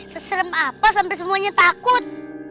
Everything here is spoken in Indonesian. seserem apa sampai semuanya takut